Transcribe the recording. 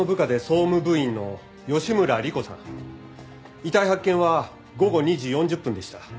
遺体発見は午後２時４０分でした。